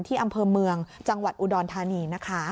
ที่อำเภอเมืองจังหวัดอุดรธานีนะคะ